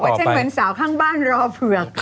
เขาบอกว่าฉันเหมือนสาวข้างบ้านรอเผือก